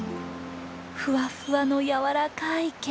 ふわふわの柔らかい毛。